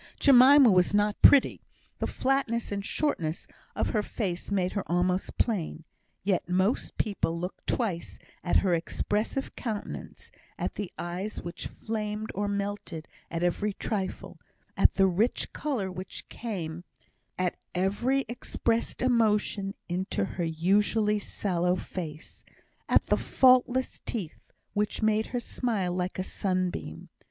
Jemima was not pretty; the flatness and shortness of her face made her almost plain; yet most people looked twice at her expressive countenance, at the eyes which flamed or melted at every trifle, at the rich colour which came at every expressed emotion into her usually sallow face, at the faultless teeth which made her smile like a sunbeam.